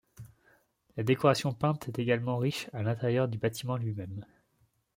La décoration peinte est également riche à l'intérieur du bâtiment lui-même.